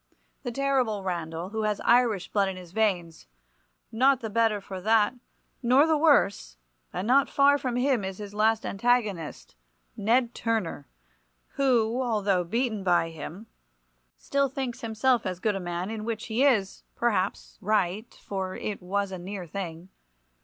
The terrible Randall, who has Irish blood in his veins; not the better for that, nor the worse; and not far from him is his last antagonist, Ned Turner, who, though beaten by him, still thinks himself as good a man, in which he is, perhaps, right, for it was a near thing.